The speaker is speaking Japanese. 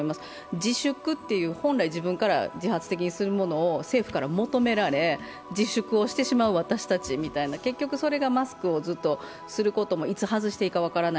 自粛という本来、自分からやることを政府から求められ、自粛をしてしまう私たちみたいな、結局それがマスクをずっとすることも、いつ外していいか分からない